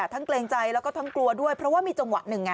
เกรงใจแล้วก็ทั้งกลัวด้วยเพราะว่ามีจังหวะหนึ่งไง